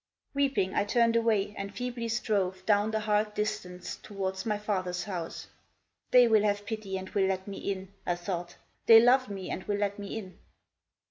Weeping, I turned away, and feebly strove Down the hard distance towards my father's house. "They will have pity and will let me in," I thought. "They loved me and will let me in."